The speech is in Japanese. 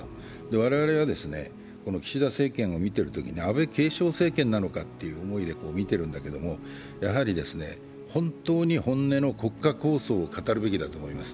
我々は岸田政権を見るときに安倍継承政権なのかという目で見てるわけですがやはり本当に本音の国家構想を語るべきだと思います。